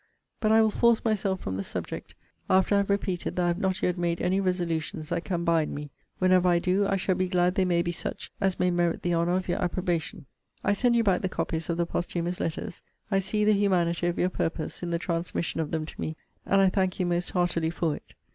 But I will force myself from the subject, after I have repeated that I have not yet made any resolutions that can bind me. Whenever I do, I shall be glad they may be such as may merit the honour of your approbation. I send you back the copies of the posthumous letters. I see the humanity of your purpose, in the transmission of them to me; and I thank you most heartily for it.